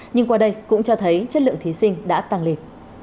nhưng qua đây cũng cho thấy chất lượng thí sinh đã tăng lên